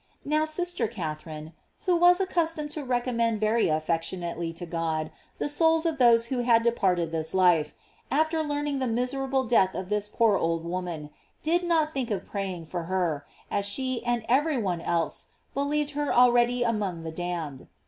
Now sister Catherine, who was accustom ed to recommend very affectionately to God the souls of those who had departed this life, after learning the miserable death o/ this poor old woman, did not think of praying for her, as she and every one else believed her already among the damned.